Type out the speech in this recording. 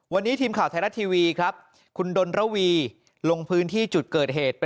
วันนี้ทีมข่าวไทยรัฐทีวีครับคุณดนระวีลงพื้นที่จุดเกิดเหตุ